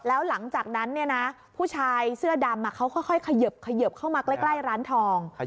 แล้วหลังจากนั้นผู้ชายเสื้อดำเขาค่อยเขยิบเข้ามาใกล้ร้านทอง